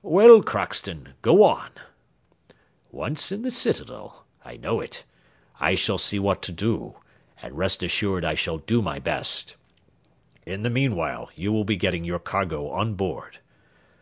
"Well, Crockston, go on." "Once in the citadel I know it I shall see what to do, and rest assured I shall do my best; in the meanwhile, you will be getting your cargo on board."